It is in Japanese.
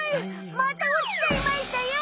またおちちゃいましたよ！